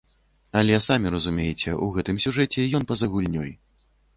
Але, самі разумееце, у гэтым сюжэце ён па-за гульнёй.